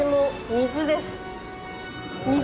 水。